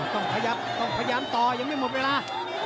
ต้องพยายามต่อยังไม่หมดเวลา